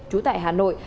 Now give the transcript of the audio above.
trú tại hà nội